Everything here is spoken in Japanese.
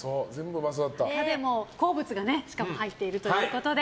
でも、好物がしかも入っているということで。